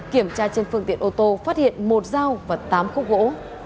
kiểm tra trên phương tiện ô tô phát hiện một dao và tám khúc gỗ